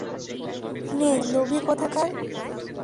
নে, খেয়ে নে লোভী কোথাকার!